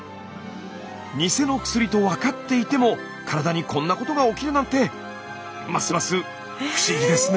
ニセの薬と分かっていても体にこんなことが起きるなんてますます不思議ですね。